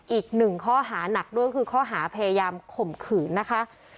อีกหนึ่งข้อหานักด้วยคือข้อหาพยายามข่มขืนนะคะ